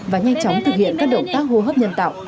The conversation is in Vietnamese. và nhanh chóng thực hiện các động tác hô hấp nhân tạo